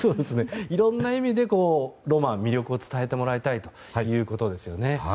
いろんな意味でロマン、魅力を伝えてもらいたいということですね。